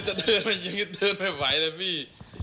มันจะเดินไปยังไม่ไหวเลยพี่